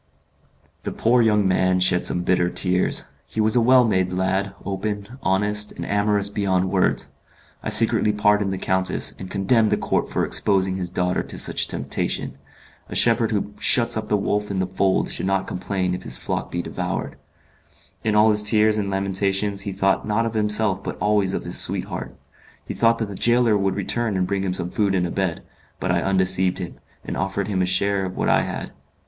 The poor young man shed some bitter tears. He was a well made lad, open, honest, and amorous beyond words. I secretly pardoned the countess, and condemned the count for exposing his daughter to such temptation. A shepherd who shuts up the wolf in the fold should not complain if his flock be devoured. In all his tears and lamentations he thought not of himself but always of his sweetheart. He thought that the gaoler would return and bring him some food and a bed; but I undeceived him, and offered him a share of what I had.